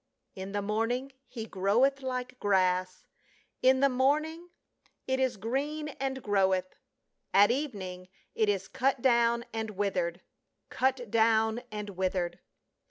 " In the morning he groweth Hke grass ; In the morning it is green and groweth ; At evening it is cut down and withered — cut down and withered."